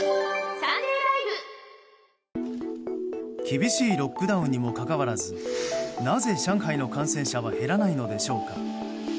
厳しいロックダウンにもかかわらずなぜ上海の感染者は減らないのでしょうか。